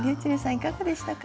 いかがでしたか？